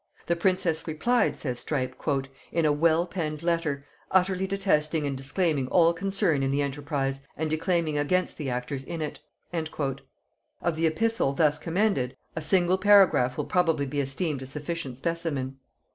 The princess replied, says Strype, "in a well penned letter," "utterly detesting and disclaiming all concern in the enterprise, and declaiming against the actors in it." Of the epistle thus commended, a single paragraph will probably be esteemed a sufficient specimen....